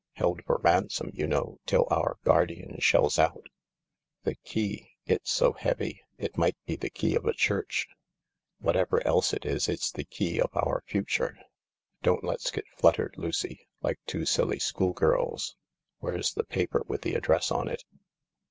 Held for ransom, you know, till our guardian shells out . The key— it's so heavy; it might be the key of a church." " Whatever else it is, it's the key of our future. Don't let s get fluttered, Lucy, like two silly schoolgirls, Where's the paper with the address on it